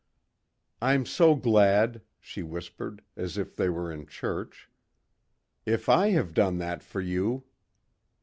"I'm so glad," she whispered, as if they were in church, "if I have done that for you...."